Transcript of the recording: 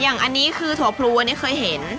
อย่างอันนี้คือถั่วพลูอันนี้เคยเห็น